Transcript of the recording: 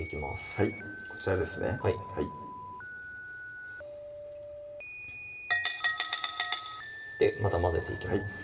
はいこちらですねまた混ぜていきます